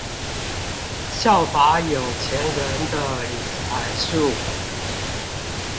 效法有錢人的理財術